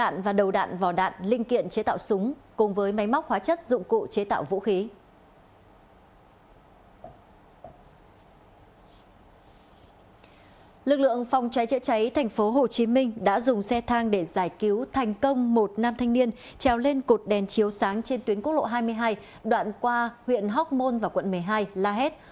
trèo lên cột đèn chiếu sáng trên tuyến quốc lộ hai mươi hai đoạn qua huyện hóc môn và quận một mươi hai la hét